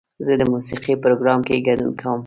زه د موسیقۍ پروګرام کې ګډون کوم.